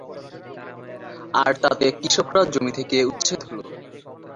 আর তাতে কৃষকরা জমি থেকে উচ্ছেদ হলো।